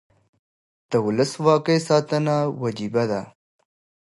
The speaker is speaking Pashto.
د ولسواکۍ ساتنه وجیبه ده